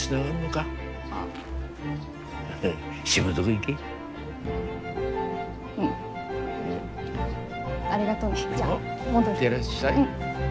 行ってらっしゃい。